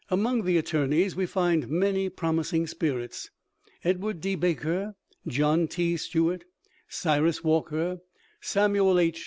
Among the attorneys we find many promising spirits. Edward D. Baker, John T. Stuart, Cyrus Walker, Samuel H.